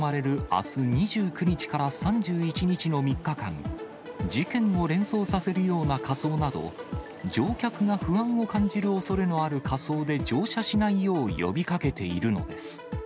あす２９日から３１日の３日間、事件を連想させるような仮装など、乗客が不安を感じるおそれのある仮装で乗車しないよう呼びかけているのです。